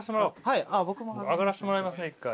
上がらせてもらいますね一回。